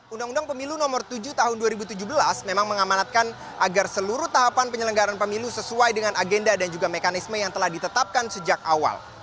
undang undang pemilu nomor tujuh tahun dua ribu tujuh belas memang mengamanatkan agar seluruh tahapan penyelenggaran pemilu sesuai dengan agenda dan juga mekanisme yang telah ditetapkan sejak awal